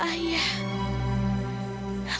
itu adalah ayah